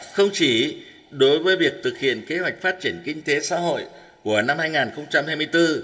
không chỉ đối với việc thực hiện kế hoạch phát triển kinh tế xã hội của năm hai nghìn hai mươi bốn